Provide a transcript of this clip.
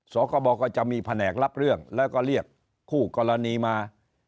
สคบก็จะมีแผนกรับเรื่องแล้วก็เรียกคู่กรณีมา